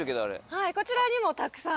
はいこちらにもたくさん。